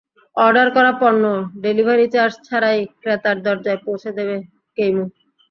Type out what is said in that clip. Order করা পণ্য delivery charge ছাড়াই ক্রেতার দরজায় পৌঁছে দেবে কেইমু।